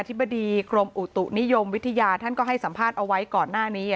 ธิบดีกรมอุตุนิยมวิทยาท่านก็ให้สัมภาษณ์เอาไว้ก่อนหน้านี้